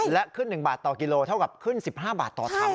และขึ้น๑บาทต่อกิโลเท่ากับขึ้น๑๕บาทต่อถัง